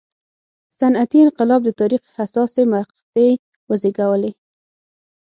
صنعتي انقلاب د تاریخ حساسې مقطعې وزېږولې.